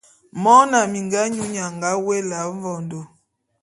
Mona minga nyu nnye a nga woé Ela Mvondo.